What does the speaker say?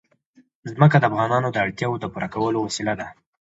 ځمکه د افغانانو د اړتیاوو د پوره کولو وسیله ده.